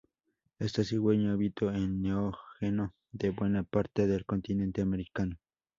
Esta cigüeña habitó el Neógeno de buena parte del continente americano.